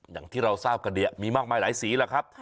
อย่างที่เราทราบกันเนี่ยมีมากมายหลายสีแหละครับ